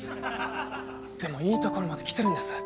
でもいいところまできてるんです。